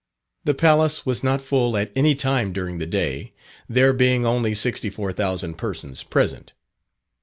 The palace was not full at any time during the day, there being only 64,000 persons present.